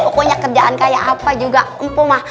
pokonya kerjaan kaya apa juga mpo mah